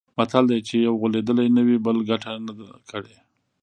متل دی: چې یو غولېدلی نه وي، بل ګټه نه ده کړې.